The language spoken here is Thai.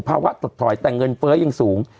ถดถอยแต่เงินเฟ้อยังสูง